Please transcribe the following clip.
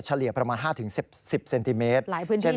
เฉลี่ยประมาณ๕๑๐เซนติเมตรหลายพื้นที่นะ